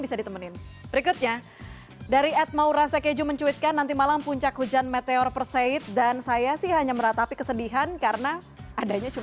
oke gerhana matahari cincin yang sangat menjadi perhatian masyarakat